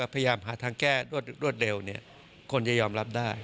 พยายามหาทางแก้รวดเร็วคนจะยอมรับได้